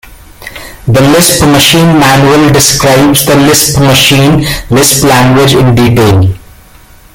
The Lisp Machine Manual describes the Lisp Machine Lisp language in detail.